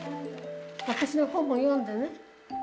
私の本も読んでね。